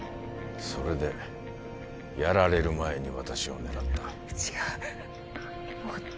それでやられる前に私を狙った違う